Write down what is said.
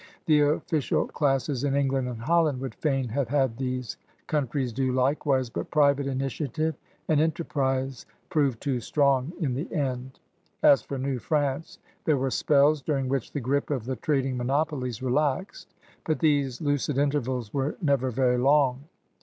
The official classes in En^and and Holland would fain have had these countries do likewise, but private initiative and enterprise proved too strong in the end. As for New Prance, there were spells during which the grip of the trading monopolies relaxed, but these lucid intervals were never very long.